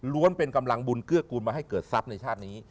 เป็นกำลังบุญเกื้อกูลมาให้เกิดทรัพย์ในชาตินี้